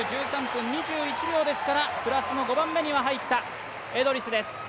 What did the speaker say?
１３分２１秒ですからプラスの５番目には入ったエドリスです。